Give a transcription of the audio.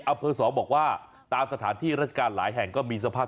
อำเภอ๒บอกว่าตามสถานที่ราชการหลายแห่งก็มีสภาพ